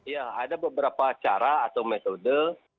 ya ada beberapa cara atau metode